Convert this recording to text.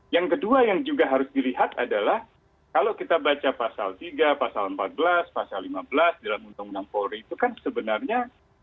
yang kedua yang juga harus dilihat adalah kalau kita baca pasal tiga pasal empat belas pasal lima belas dalam undang undang polri itu kan sebenarnya